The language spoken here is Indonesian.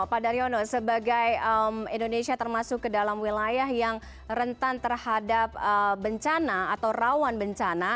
pak daryono sebagai indonesia termasuk ke dalam wilayah yang rentan terhadap bencana atau rawan bencana